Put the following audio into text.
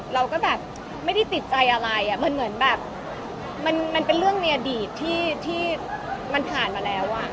เราก็แบบไม่ได้ติดใจอะไรมันเหมือนแบบมันเป็นเรื่องในอดีตที่มันผ่านมาแล้ว